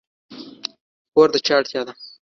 کور د چا اړتیا ده؟